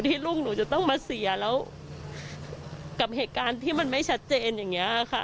ที่ลูกหนูจะต้องมาเสียแล้วกับเหตุการณ์ที่มันไม่ชัดเจนอย่างนี้ค่ะ